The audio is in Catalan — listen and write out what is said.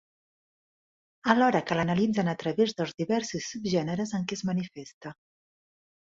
Alhora que l’analitzen a través dels diversos subgèneres en què es manifesta.